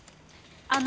あの。